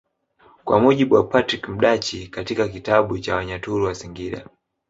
Kwa mujibu wa Patrick Mdachi katika kitabu cha Wanyaturu wa Singida